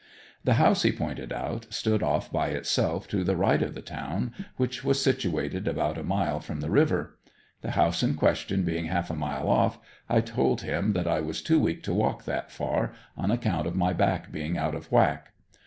The house he pointed out stood off by itself to the right of the town, which was situated about a mile from the river. The house in question being half a mile off, I told him that I was too weak to walk that far, on account of my back being out of whack.